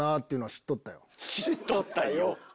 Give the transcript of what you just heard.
知っとったよ